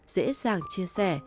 dễ dàng chia sẻ